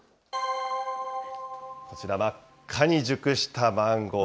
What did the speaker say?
こちら、真っ赤に熟したマンゴー